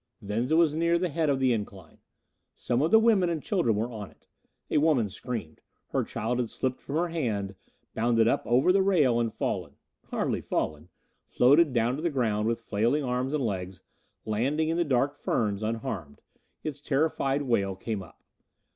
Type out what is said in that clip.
Venza was near the head of the incline. Some of the women and children were on it. A woman screamed. Her child had slipped from her hand, bounded up over the rail, and fallen. Hardly fallen floated down to the ground, with flailing arms and legs, landing in the dark ferns, unharmed. Its terrified wail came up.